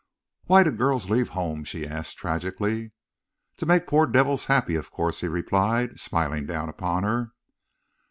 "Why do girls leave home?" she asked, tragically. "To make poor devils happy, of course," he replied, smiling down upon her.